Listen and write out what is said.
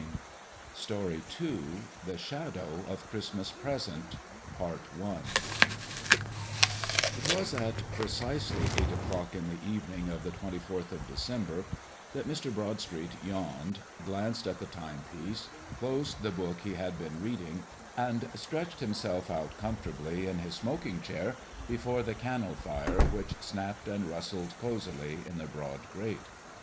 II THE SHADOW OF CHRISTMAS PRESENT I It was at precisely eight o'clock, on the evening of the twenty fourth of December, that Mr. Broadstreet yawned, glanced at the time piece, closed the book he had been reading, and stretched himself out comfortably in his smoking chair before the cannel fire which snapped and rustled cosily in the broad grate.